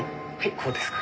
「こうですかね」。